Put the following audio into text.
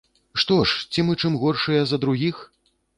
Што ж, ці мы чым горшыя за другіх?